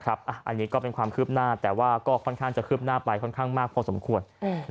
อันนี้ก็เป็นความคืบหน้าแต่ว่าก็ค่อนข้างจะคืบหน้าไปค่อนข้างมากพอสมควร